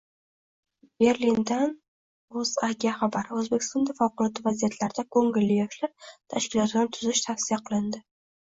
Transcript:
Berlindan OʻzAga xabar: Oʻzbekistonda favqulodda vaziyatlarda koʻngilli yoshlar tashkilotini tuzish tavsiya qilindi